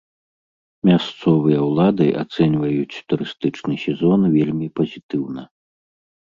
Мясцовыя ўлады ацэньваюць турыстычны сезон вельмі пазітыўна.